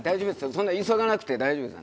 そんな急がなくて大丈夫です。